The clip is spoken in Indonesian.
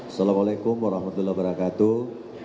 assalamu alaikum warahmatullahi wabarakatuh